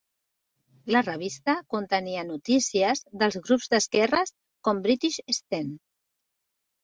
La revista contenia notícies dels grups d"esquerres com British Sten.